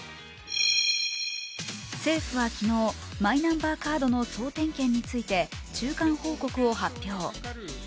政府は昨日、マイナンバーカードの総点検について中間報告を発表。